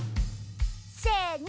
せの！